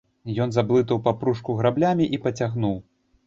Ён заблытаў папружку граблямі і пацягнуў.